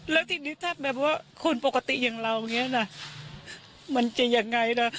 แล้วทีนี้ถ้าแบบว่าคนปกติอย่างเรามันจะยังไงนะ